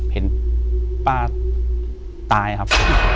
เห็นป้าตายครับ